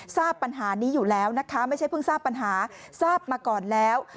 ทราบปัญหานี้อยู่แล้วนะคะไม่ใช่เพิ่งทราบปัญหาทราบมาก่อนแล้ว